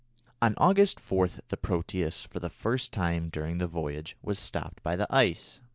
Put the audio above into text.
On August 4 the Proteus, for the first time during the voyage, was stopped by the ice.